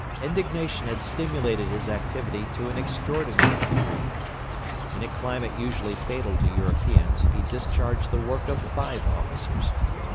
Indignation had stimulated his activity to an extraordinary degree. In a climate usually fatal to Europeans he discharged the work of five officers.